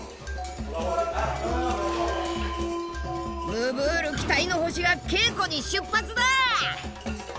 ムブール期待の星が稽古に出発だ！